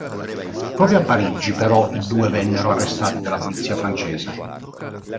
Proprio a Parigi però, i due vennero arrestati dalla polizia francese.